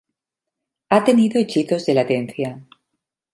Ha tenido hechizos de latencia.